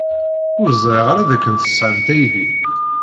Ur ẓriɣ ara dakken tesɛamt aydi.